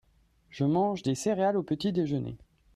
je mange des céréales au petit déjeuner.